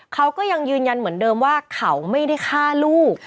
เขาก็ยังยืนยันเหมือนเดิมว่าเขาไม่ได้ฆ่าลูก